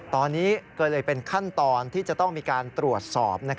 ตอนนี้ก็เลยเป็นขั้นตอนที่จะต้องมีการตรวจสอบ